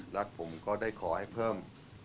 และผมก็ได้ขอให้เพิ่ม